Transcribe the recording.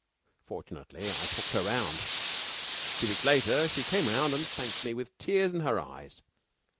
Fortunately, I talked her round. 'A few weeks later she came round and thanked me with tears in her eyes.